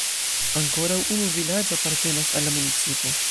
Ankoraŭ unu vilaĝo apartenas al la municipo.